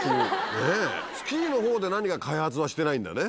ねぇスキーのほうで何か開発はしてないんだね。